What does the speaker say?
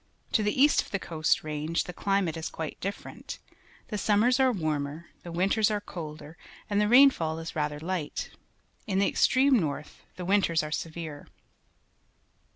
To the east of the Coast Range the climate is quite different. The summers are warmer, the winters are colder, and the rainfall is rather light. In the extreme north the winters are severe.